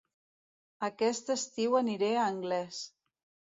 Aquest estiu aniré a Anglès